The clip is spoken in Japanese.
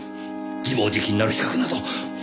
自暴自棄になる資格などあなたには。